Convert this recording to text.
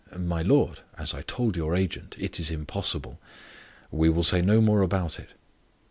"My lord, as I told your agent, it is impossible. We will say no more about it."